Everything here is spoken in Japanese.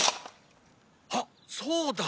あっそうだ！